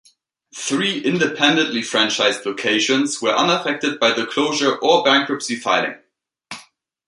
Three independently-franchised locations were unaffected by the closure or bankruptcy filing.